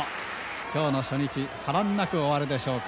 きょうの初日波乱なく終わるでしょうか。